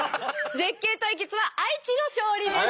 絶景対決は愛知の勝利です！